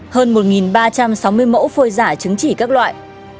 hơn một ba trăm sáu mươi mẫu phôi giả chứng chỉ các loại